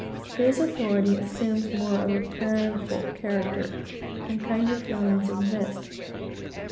His authority assumes more of the parental character; and kinder feelings exist.